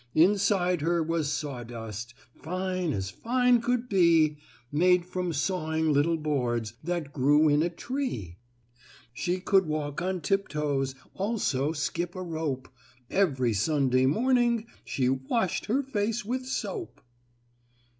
"Inside her was sawdust, Fine as fine could be, Made from sawing little boards That grew in a tree. She could walk on tiptoes, Also skip a rope, Every Sunday morning she Washed her face with soap."